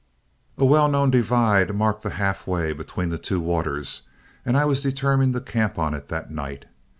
A well known divide marked the halfway between the two waters, and I was determined to camp on it that night.